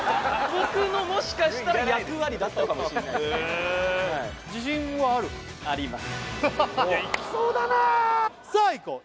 僕のもしかしたら役割だったかもしれないですねいやいきそうだなあさあいこう